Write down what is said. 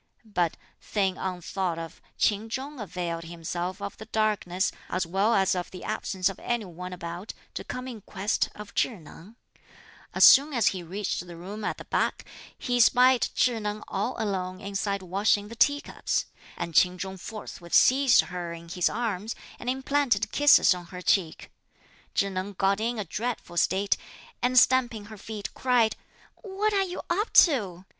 But, thing unthought of, Ch'in Chung availed himself of the darkness, as well as of the absence of any one about, to come in quest of Chih Neng. As soon as he reached the room at the back, he espied Chih Neng all alone inside washing the tea cups; and Ch'in Chung forthwith seized her in his arms and implanted kisses on her cheek. Chih Neng got in a dreadful state, and stamping her feet, cried, "What are you up to?"